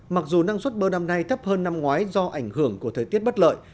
mặc dù năng suất bơ năm nay thấp hơn năm ngoái do ảnh hưởng của thời tiết bất lợi